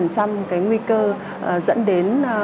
cái nguy cơ dẫn đến